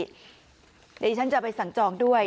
เดี๋ยวฉันจะไปสั่งจองด้วย